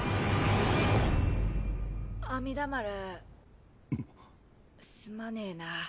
阿弥陀丸すまねえな。